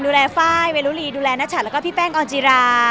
ดูแลไฟล์เวรุรีดูแลนัศัรฐ์และพี่แป้งออลดิรา